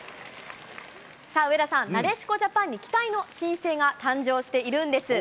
さあ、上田さん、なでしこジャパンに期待に新星が誕生しているんです。